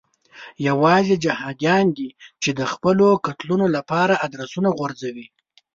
یوازې جهادیان دي چې د خپلو قتلونو لپاره ادرسونه غورځوي.